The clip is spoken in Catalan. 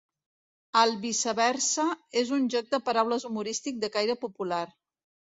El viceversa és un joc de paraules humorístic de caire popular.